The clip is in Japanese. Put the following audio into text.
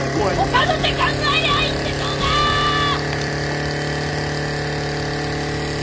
他の手考えりゃいいんでしょうがーっ！！